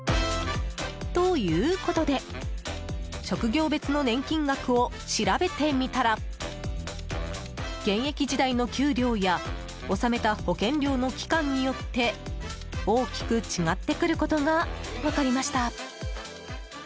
ということで職業別の年金額を調べてみたら現役時代の給料や納めた保険料の期間によって大きく違ってくることが分かりました。